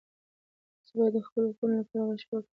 تاسو باید د خپلو حقوقو لپاره غږ پورته کړئ.